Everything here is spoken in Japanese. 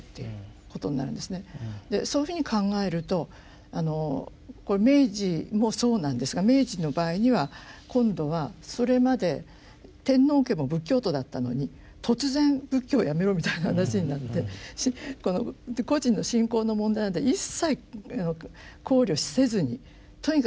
でそういうふうに考えるとあのこれ明治もそうなんですが明治の場合には今度はそれまで天皇家も仏教徒だったのに突然仏教をやめろみたいな話になって個人の信仰の問題なんて一切考慮せずにとにかく今度は神道なんだと。